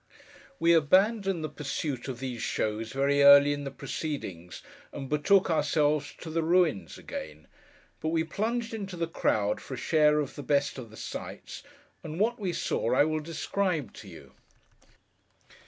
We abandoned the pursuit of these shows, very early in the proceedings, and betook ourselves to the Ruins again. But, we plunged into the crowd for a share of the best of the sights; and what we saw, I will describe to you.